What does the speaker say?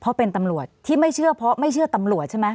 เพราะเป็นตำรวจที่ไม่เชื่อเพราะไม่เชื่อตำรวจใช่ไหม